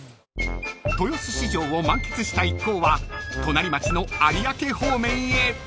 ［豊洲市場を満喫した一行は隣町の有明方面へ］